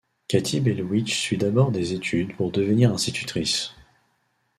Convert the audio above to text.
Kati Bellowitsch suit d'abord des études pour devenir institutrice.